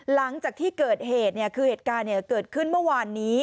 หลังจากที่เกิดเหตุคือเหตุการณ์เกิดขึ้นเมื่อวานนี้